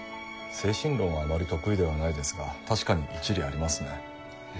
精神論はあまり得意ではないですが確かに一理ありますね。